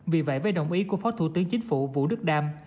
vì vậy với đồng ý của phó thủ tướng chính phủ vũ đức đam